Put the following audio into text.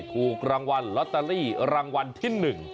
ถูกรางวัลลอตเตอรี่รางวัลที่๑